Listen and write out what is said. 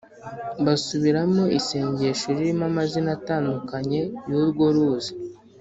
basubiramo isengesho ririmo amazina atandukanye y’urwo ruzi